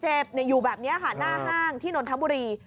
อยู่แบบนี้ค่ะหน้าห้างที่นนทบุรี